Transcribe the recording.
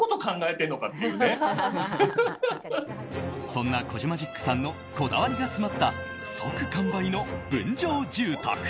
そんなコジマジックさんのこだわりが詰まった即完売の分譲住宅。